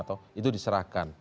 atau itu diserahkan